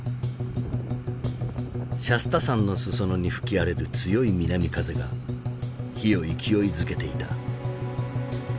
シャスタ山の裾野に吹き荒れる強い南風が火を勢いづけていた。